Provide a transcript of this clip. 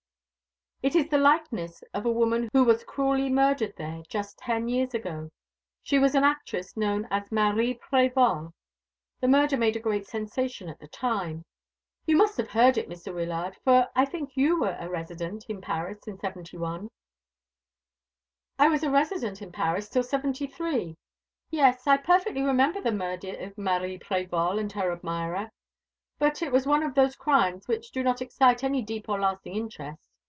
"It is the likeness of a woman who was cruelly murdered there just ten years ago. She was an actress known as Marie Prévol. The murder made a great sensation at the time. You must have heard of it, Mr. Wyllard; for I think you were a resident in Paris in '71?" "I was a resident in Paris till '73. Yes, I perfectly remember the murder of Marie Prévol and her admirer. But it was one of those crimes which do not excite any deep or lasting interest.